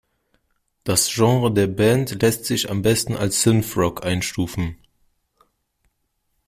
Das Genre der Band lässt sich am besten als Synth Rock einstufen.